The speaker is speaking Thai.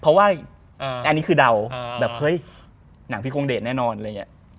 เพราะว่าอันนี้คือเดาแบบเฮ้ยหนังพี่คงเดทแน่นอนเลยไง